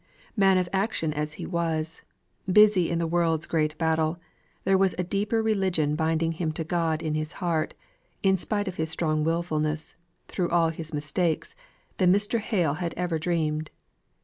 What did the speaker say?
Man of action as he was, busy in the world's great battle, there was a deeper religion binding him to God in his heart, in spite of his strong wilfulness, through all his mistakes, than Mr. Hale had ever dreamed.